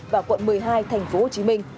và quận một mươi hai thành phố hồ chí minh